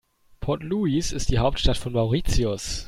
Port Louis ist die Hauptstadt von Mauritius.